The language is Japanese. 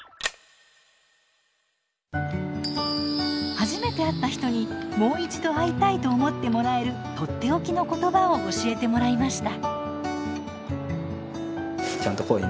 初めて会った人にもう一度会いたいと思ってもらえるとっておきの言葉を教えてもらいました。